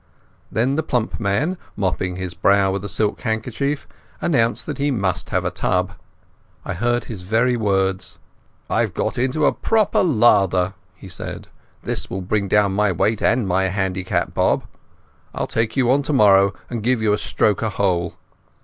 Then the plump man, mopping his brow with a silk handkerchief, announced that he must have a tub. I heard his very words—"I've got into a proper lather," he said. "This will bring down my weight and my handicap, Bob. I'll take you on tomorrow and give you a stroke a hole."